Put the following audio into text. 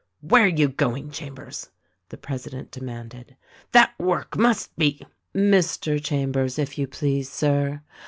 "Where are you going, Chambers?" the president de manded. "That work must be " "Mr. Chambers, if you please, Sir.